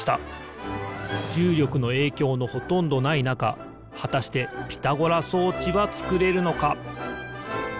じゅうりょくのえいきょうのほとんどないなかはたしてピタゴラそうちはつくれるのか？